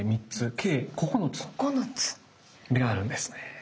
計９つ目があるんですね。